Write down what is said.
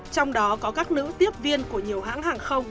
trong đó có các nữ tiếp viên của nhiều hãng hàng không